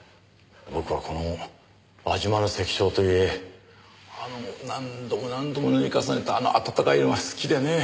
僕はこの『輪島の夕照』という絵あの何度も何度も塗り重ねたあの暖かい色が好きでね。